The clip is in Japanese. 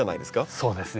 そうですね。